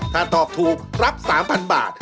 ถ้าตอบถูกรับ๓๐๐๐บาท